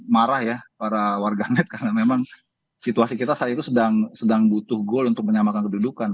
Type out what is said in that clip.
marah ya para warganet karena memang situasi kita saat itu sedang butuh goal untuk menyamakan kedudukan